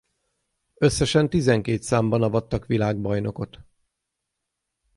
Összesen tizenkét számban avattak világbajnokot.